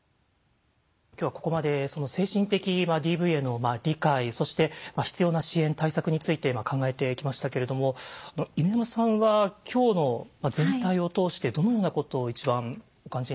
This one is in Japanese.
今日はここまで精神的ＤＶへの理解そして必要な支援対策について考えてきましたけれども犬山さんは今日の全体を通してどのようなことを一番お感じになってますか？